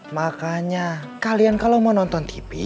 makanya kalian kalau mau nonton tv